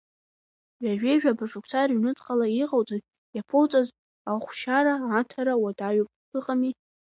Ҩажәижәаба шықәса рыҩнуҵҟала иҟауҵаз, иаԥуҵаз ахәшьара аҭара уадаҩуп, ыҟами…